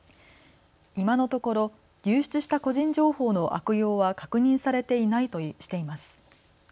今のところ流出した個人情報の悪用は確認されていないとしています。